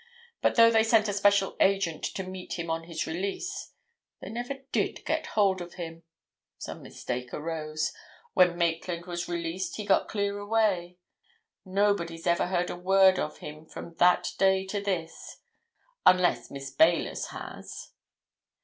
But though they sent a special agent to meet him on his release, they never did get hold of him. Some mistake arose—when Maitland was released, he got clear away. Nobody's ever heard a word of him from that day to this. Unless Miss Baylis has."